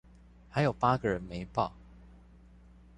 還有八個人沒報